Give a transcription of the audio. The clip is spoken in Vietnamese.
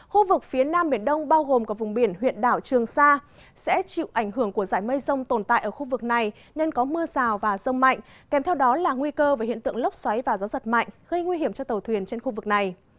khu vực phía nam biển đông bao gồm cả vùng biển huyện đảo trường sa sẽ chịu ảnh hưởng của giải mây rông tồn tại ở khu vực này nên có mưa rào và rông mạnh kèm theo đó là nguy cơ về hiện tượng lốc xoáy và gió giật mạnh gây nguy hiểm cho tàu thuyền trên khu vực này